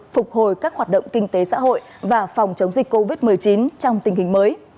phục hồi các hoạt động kinh tế xã hội và phòng chống dịch covid một mươi chín trong tình hình mới